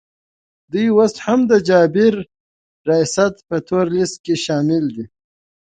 دوی اوس هم د جابر ریاست په تور لیست کي شامل دي